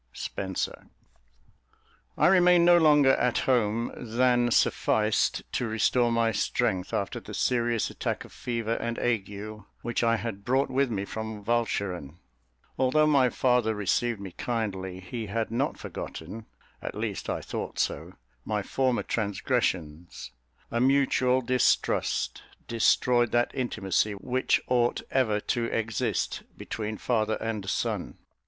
SPENSER. I remained no longer at home than sufficed to restore my strength, after the serious attack of fever and ague which I had brought with me from Walcheren. Although my father received me kindly, he had not forgotten (at least I thought so) my former transgressions; a mutual distrust destroyed that intimacy which ought ever to exist between father and son.